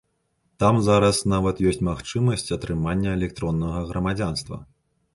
Там зараз нават ёсць магчымасць атрымання электроннага грамадзянства.